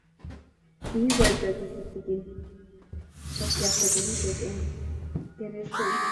kiikoito kiy kitigin kotyakta polisiek eng' geresait.